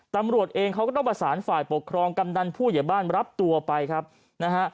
ตำรวจเองเขาก็ต้องประสานฝ่ายปกครองกำนันผู้ใหญ่บ้านรับตัวไปครับนะฮะ